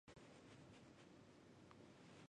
嘉靖四十四年乙丑科进士。